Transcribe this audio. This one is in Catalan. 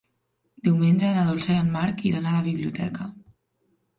Diumenge na Dolça i en Marc iran a la biblioteca.